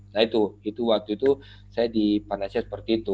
nah itu waktu itu saya dipandai saya seperti itu